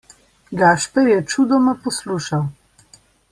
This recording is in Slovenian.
Gašper je čudoma poslušal.